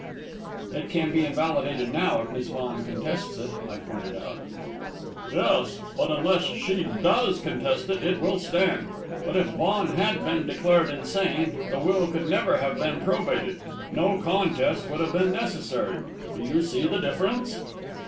"It can be invalidated now, if Miss Vaughan contests it," I pointed out. "Yes; but unless she does contest it, it will stand. But if Vaughan had been declared insane, the will could never have been probated no contest would have been necessary. Do you see the difference?"